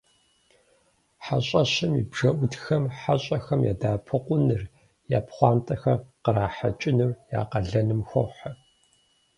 Хьэщӏэщым и бжэӏутхэм хьэщӏэхэм ядэӏэпыкъуныр, я пхъуантэхэр кърахьэкӏыныр я къалэным хохьэ.